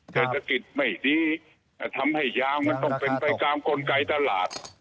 เศรษฐกิจไม่ดีแต่ทำให้ยางมันต้องเป็นไปตามกลไกตลาด